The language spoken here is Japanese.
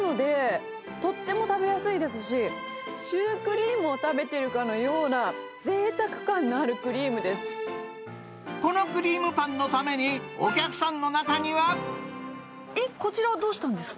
甘さが控えめなので、とっても食べやすいですし、シュークリームを食べてるかのような、このクリームパンのために、こちらはどうしたんですか？